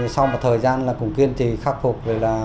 sau một thời gian cũng kiên trì khắc phục